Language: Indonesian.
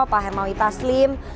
pak hermawi taslim